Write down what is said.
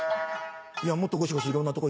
「いやもっとゴシゴシいろんなとこ